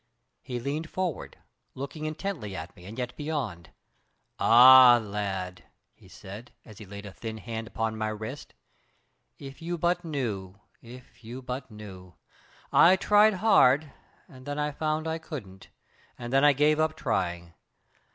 He leaned forward, looking intently at me and yet beyond. "Ah! lad," he said, as he laid a thin hand upon my wrist, "if you but knew, if you but knew! I tried hard, and then I found I couldn't, and then I gave up trying.